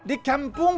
aku mau ke kantor